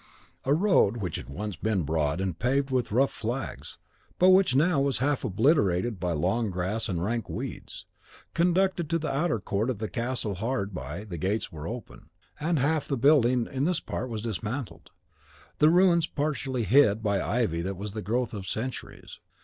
A road which had once been broad and paved with rough flags, but which now was half obliterated by long grass and rank weeds, conducted to the outer court of the castle hard by; the gates were open, and half the building in this part was dismantled; the ruins partially hid by ivy that was the growth of centuries.